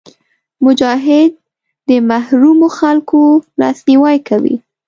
مجاهد د محرومو خلکو لاسنیوی کوي.